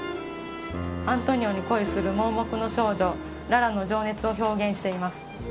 アントニオに恋する盲目の少女ララの情熱を表現しています。